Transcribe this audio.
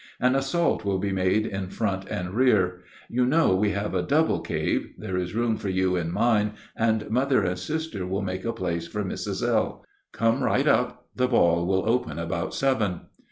An assault will be made in front and rear. You know we have a double cave; there is room for you in mine, and mother and sister will make a place for Mrs. L. Come right up; the ball will open about seven."